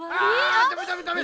あダメダメダメ